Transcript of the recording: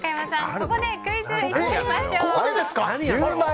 ここでクイズに行きましょう。